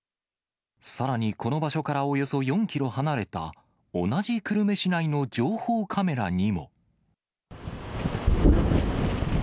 さらにこの場所からおよそ４キロ離れた、同じ久留米市内の情報カメラにも。